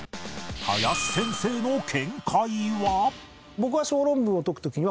林先生の見解は？